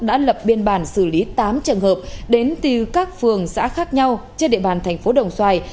đã lập biên bản xử lý tám trường hợp đến từ các phường xã khác nhau trên địa bàn thành phố đồng xoài